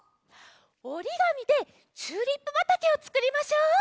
おりがみでチューリップばたけをつくりましょう！